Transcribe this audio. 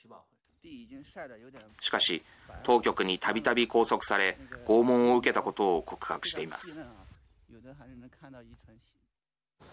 しかし、当局にたびたび拘束され拷問を受けたことを告白しています。